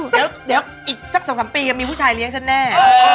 เดี๋ยวอีกสัก๒๓ปีจะมีผู้ชายเลี้ยงฉันแน่